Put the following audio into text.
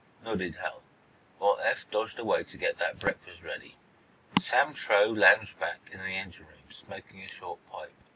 nodded Hal, while Eph dodged away to get that breakfast ready. Sam Truax lounged back in the engine room, smoking a short pipe.